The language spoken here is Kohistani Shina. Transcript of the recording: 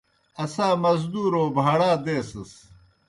اسا مزدورو بھاڑا دیسَس۔